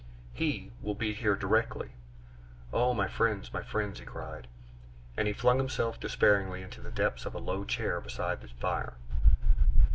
"He will be here directly! Oh, my friends, my friends!" he cried, and he flung himself despairingly into the depths of a low chair beside the fire.